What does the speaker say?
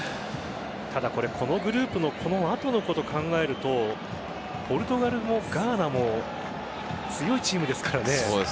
ただ、これこのグループの後のことを考えるとポルトガルもガーナも強いチームですからね。